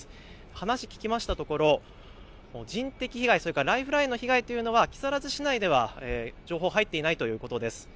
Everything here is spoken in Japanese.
話を聞きましたところ人的被害それからライフラインの被害というのは木更津市内では情報は入っていないということです。